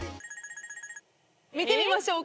見てみましょう。